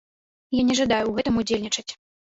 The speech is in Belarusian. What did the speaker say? Я не жадаю ў гэтым удзельнічаць.